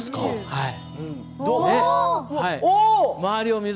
はい。